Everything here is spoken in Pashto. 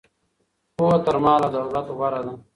پوهه تر مال او دولت غوره ده.